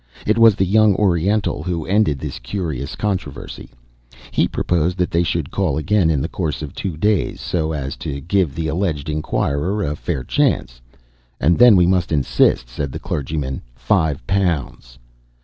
It was the young Oriental who ended this curious controversy. He proposed that they should call again in the course of two days so as to give the alleged enquirer a fair chance. "And then we must insist," said the clergyman, "Five pounds."